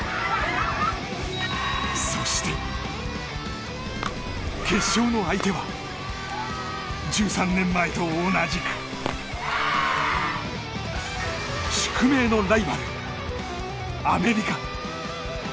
そして、決勝の相手は１３年前と同じく宿命のライバル、アメリカ。